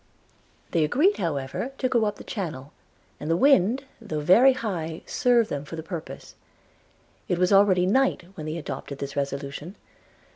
They agreed, however, to go up the Channel; and the wind, though very high, served them for the purpose. It was already night when they adopted this resolution.